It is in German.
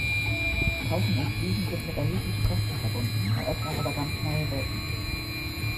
Tauchen und Fliegen sind mit erheblichen Kosten verbunden, eröffnen aber ganz neue Welten.